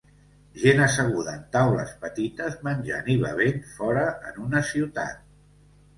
Gent asseguda en taules petites menjant i bevent fora en una ciutat.